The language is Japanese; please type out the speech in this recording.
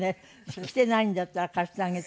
着てないんだったら貸してあげたって。